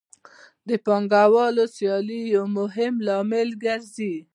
د پانګوالو سیالي یو مهم لامل ګرځي